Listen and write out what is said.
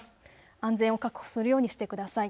安全を確保するようにしてください。